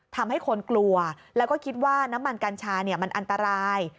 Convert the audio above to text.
ทำให้คนกลัวแล้วก็คิดว่าน้ำมันกัญชามันอันตราย